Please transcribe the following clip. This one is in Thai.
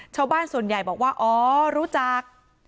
ชาวบ้านส่วนใหญ่บอกว่าอ๋อรู้จัก